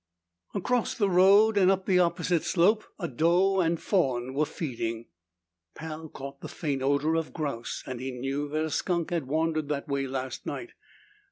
Across the road, and up the opposite slope, a doe and fawn were feeding. Pal caught the faint odor of grouse, and he knew that a skunk had wandered that way last night.